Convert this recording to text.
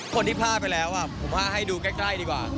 คนที่พลาดไปแล้วผมว่าให้ดูใกล้ดีกว่า